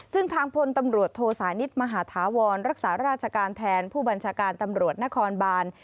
ซึ่งทางพลตำรวจโทสานิทมหาธาวรรักษาราชการแทนผู้บัญชาการตำรวจนครบาน